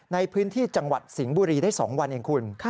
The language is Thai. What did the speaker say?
ในพื้นที่จังหวัดสิงห์บุรีได้๒วันเองคุณ